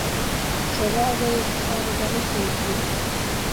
سزا اگر احتساب عدالت سے ہوتی ہے۔